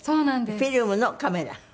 フィルムカメラ。